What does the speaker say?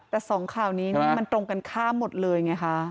แต่สองข่าวนี้มันตรงกันข้ามหมดเลยไงคะ